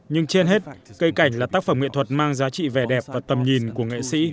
nhưng trên hết cây cảnh là tác phẩm nghệ thuật mang giá trị vẻ đẹp và tầm nhìn của nghệ sĩ